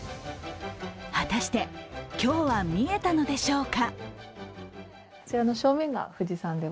果たして、今日は見えたのでしょうか？